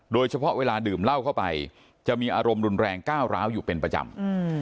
เวลาดื่มเหล้าเข้าไปจะมีอารมณ์รุนแรงก้าวร้าวอยู่เป็นประจำ